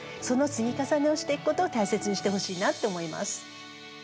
その積み重ねをしていくことを大切にしてほしいなって思います。